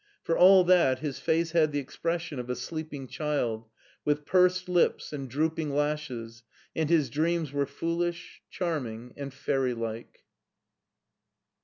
For all that his face had the expression of a sleeping child, with pursed lips and drooping lashes and his dreams were foolish, charming, and fairy like.